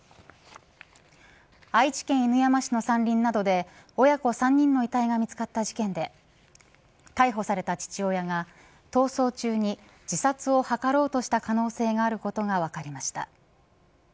愛知県犬山市の山林などで親子３人の遺体が見つかった事件で逮捕された父親が逃走中に自殺を図ろうとした可能性があることが分かりました。